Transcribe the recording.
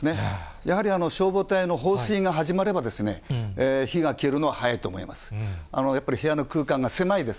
やはり消防隊の放水が始まれば、火が消えるのは早いと思います。